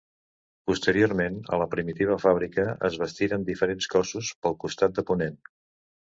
Posteriorment a la primitiva fàbrica es bastiren diferents cossos pel costat de ponent.